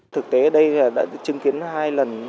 chúng ta đã chứng kiến hai lần